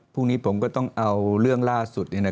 พรุ่งนี้ผมก็ต้องเอาเรื่องล่าสุด